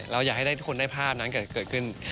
และอยากให้ใครทุกคนได้ภาพแหละจากเกิดขึ้น